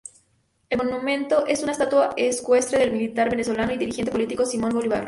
El monumento es una estatua ecuestre del militar venezolano y dirigente político Simón Bolívar.